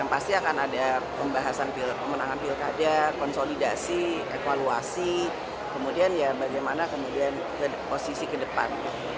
pasti akan ada pembahasan pemenangan pilkada konsolidasi evaluasi kemudian ya bagaimana kemudian posisi ke depan